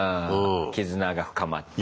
絆が深まるって。